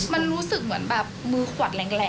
มันรู้สึกเหมือนแบบมือขวัดแรง